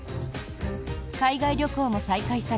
海外旅行も再開され